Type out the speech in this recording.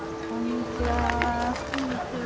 こんにちは。